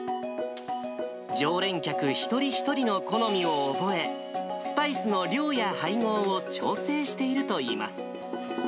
常連客一人一人の好みを覚え、スパイスの量や配合を調整しているといいます。